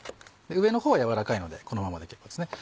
上の方は柔らかいのでこのままで結構ですね。